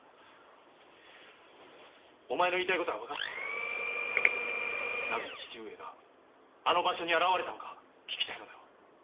言いたい事は分かっておるなぜ父上があの場所に現れたのか聞きたいのだろう？